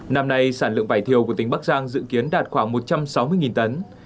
năm nay sản lượng vải thiều của tỉnh bắc giang dự kiến đạt khoảng một trăm sáu mươi tấn